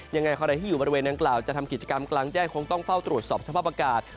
ยังไงใครที่อยู่บริเวณนางกล่าวจะทำกิจกรรมกลางแจ้งคงต้องเฝ้าตรวจสอบสภาพอากาศ